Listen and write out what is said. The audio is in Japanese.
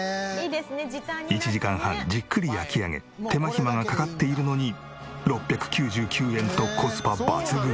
１時間半じっくり焼き上げ手間暇がかかっているのに６９９円とコスパ抜群。